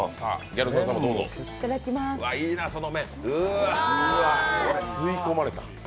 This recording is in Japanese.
いいな、その麺、吸い込まれた。